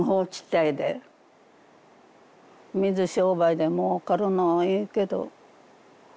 水商売でもうかるのはいいけど。